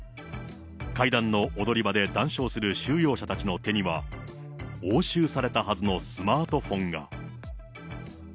階段の踊り場で談笑する収容者たちの手には、押収されたはずのスマートフォンが。